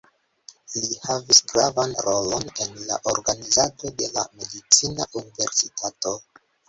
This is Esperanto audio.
Li havis gravan rolon en la organizado de la medicina universitato.